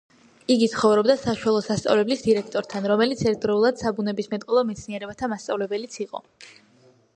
იგი ცხოვრობდა საშუალო სასწავლებლის დირექტორთან, რომელიც ერთდროულად საბუნებისმეტყველო მეცნიერებათა მასწავლებელიც იყო.